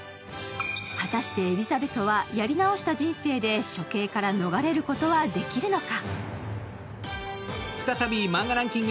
果たしてエリザベトはやり直した人生で処刑から逃れることはできるのか。